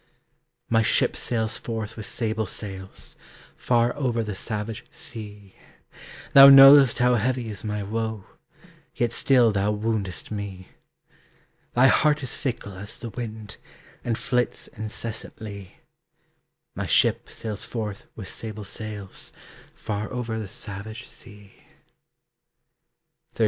My ship sails forth with sable sails, Far over the savage sea; Thou know'st how heavy is my woe, Yet still thou woundest me. Thy heart is fickle as the wind, And flits incessantly. My ship sails forth with sable sails, Far over the savage sea. XIII.